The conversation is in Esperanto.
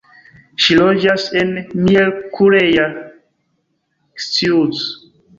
Ŝi loĝas en Miercurea Ciuc.